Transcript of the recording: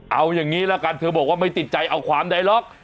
เอาอย่างนี้ละกันเธอบอกว่าไม่ติดใจเอาความใดหรอก